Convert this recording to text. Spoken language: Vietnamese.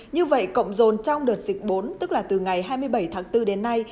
như vậy cộng dồn trong đợt dịch bốn tức là từ ngày hai mươi bảy tháng bốn đến nay